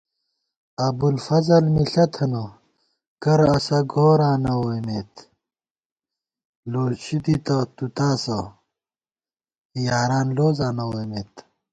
ابُوالفضل مِݪہ تھنہ کرہ اسہ گوراں نہ ووئیمېت * لوشی دِتہ تُو تاسہ یاران لوزاں نہ ووئیمېت